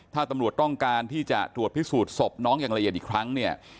ถ้าตำรวจต้องการที่จะตรวจพิสูจนศพน้องอย่างละเอียดอีกครั้งเนี่ย